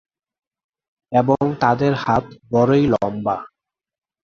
এবং তাঁদের হাত বড়ই লম্বা।